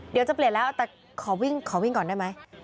เดี๋ยวจะเปลี่ยนแล้วแต่ขอวิ่งขอวิ่งก่อนได้ไหม